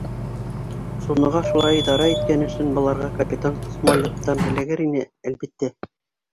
Судноға шулай идара иткән өсөн быларға капитан Смолеттан эләгер ине, әлбиттә.